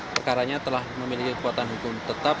perkaranya telah memiliki kekuatan hukum tetap